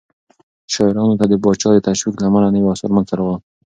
شاعرانو ته د پاچا د تشويق له امله نوي آثار منځته راغلل.